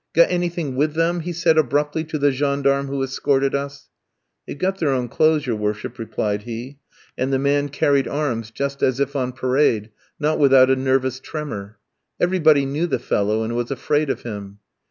"Got anything with them?" he said abruptly to the gendarme who escorted us. "They've got their own clothes, your worship," replied he; and the man carried arms, just as if on parade, not without a nervous tremor. Everybody knew the fellow, and was afraid of him.